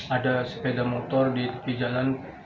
ada sepeda motor di tepi jalan